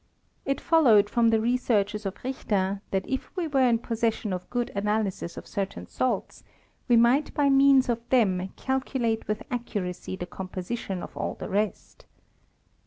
It followed from the researches of Richter, that if we were in possession of good analyses of certain salts, we might by means of them calculate with accuracy the composition of all the rest.